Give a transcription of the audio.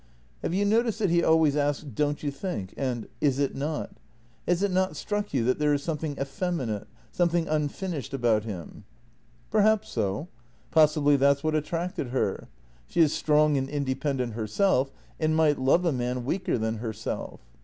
" Have you noticed that he always asks, ' Don't you think? ' and ' Is it not? '? Has it not struck you that there is some thing effeminate, something unfinished, about him? "" Perhaps so. Possibly that's what attracted her. She is strong and independent herself, and might love a man weaker than herself."